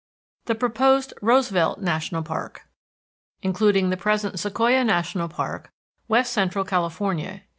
III THE PROPOSED ROOSEVELT NATIONAL PARK INCLUDING THE PRESENT SEQUOIA NATIONAL PARK, WEST CENTRAL CALIFORNIA.